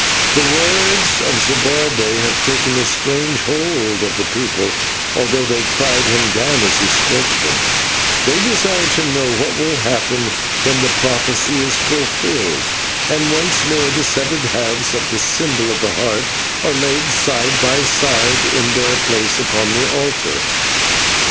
The words of Zibalbay have taken a strange hold of the people, although they cried him down as he spoke them; and they desire to know what will happen when the prophecy is fulfilled, and once more the severed halves of the symbol of the Heart are laid side by side in their place upon the altar.